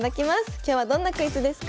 今日はどんなクイズですか？